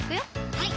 はい